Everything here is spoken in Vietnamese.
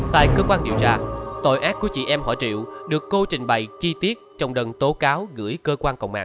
tại cơ quan điều tra tội ác của chị em hỏi triệu được cô trình bày ghi tiếc trong đần tố cáo gửi cơ quan công an